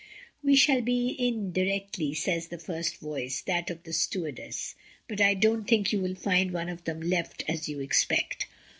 "We shall be in directly," says the first voice, that of the stewardess, "but I don't think you will find one of them left as you expect."